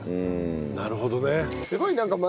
なるほどね。